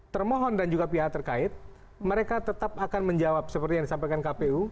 termohon dan juga pihak terkait mereka tetap akan menjawab seperti yang disampaikan kpu